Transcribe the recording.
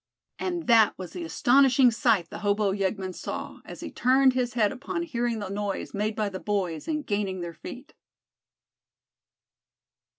And that was the astonishing sight the hobo yeggman saw, as he turned his head upon hearing the noise made by the boys in gaining their feet.